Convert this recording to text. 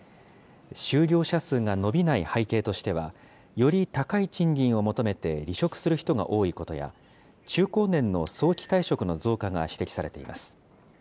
就業者数が伸びない背景としては、より高い賃金を求めて離職する人が多いことや、中高年の早期退職の増加が指摘されています。